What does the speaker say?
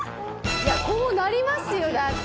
いやこうなりますよだって。